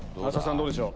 どうでしょう？